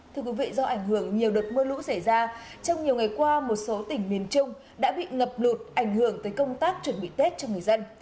thưa quý vị do ảnh hưởng nhiều đợt mưa lũ xảy ra trong nhiều ngày qua một số tỉnh miền trung đã bị ngập lụt ảnh hưởng tới công tác chuẩn bị tết cho người dân